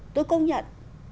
tôi công nhận